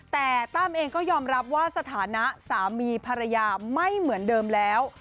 แต่ตั้มเองก็ยอมรับว่าสถานะสามีภรรยาไม่เหมือนเดิมแล้ว